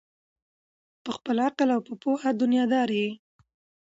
په خپل عقل او په پوهه دنیادار یې